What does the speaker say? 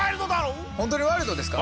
本当にワイルドですか？